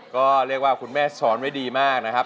ก็เรียกว่าคุณแม่สอนไว้ดีมากนะครับ